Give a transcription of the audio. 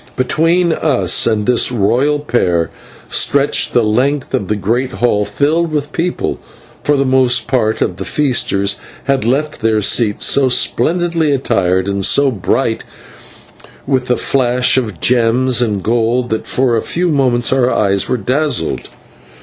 Between us and this royal pair stretched the length of the great hall, filled with people for the most of the feasters had left their seats so splendidly attired and so bright with the flash of gems and gold that for a few moments our eyes were dazzled.